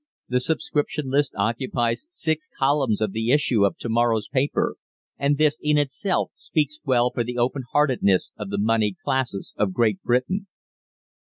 The subscription list occupies six columns of the issue of to morrow's paper, and this, in itself, speaks well for the openheartedness of the moneyed classes of Great Britain.